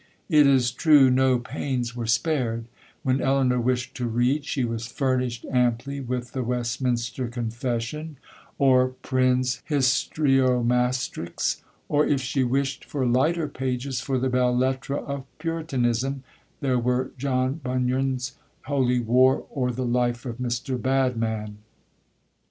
It is true no pains were spared—when Elinor wished to read, she was furnished amply with the Westminster Confession, or Prynne's Histriomastrix; or if she wished for lighter pages, for the Belles Lettres of Puritanism, there were John Bunyan's Holy War, or the life of Mr Badman.